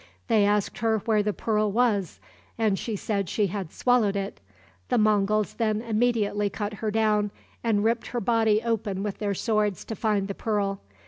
They asked her where the pearl was, and she said she had swallowed it. The Monguls then immediately cut her down, and ripped her body open with their swords to find the pearl.